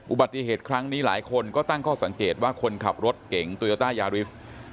อุบัติเหตุครั้งนี้หลายคนก็ตั้งข้อสังเกตว่าคนขับรถเก่งโตโยต้ายาริส